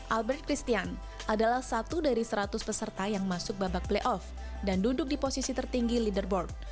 albert christian adalah satu dari seratus peserta yang masuk babak playoff dan duduk di posisi tertinggi leaderboard